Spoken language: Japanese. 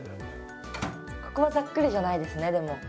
ここはざっくりじゃないですねでも。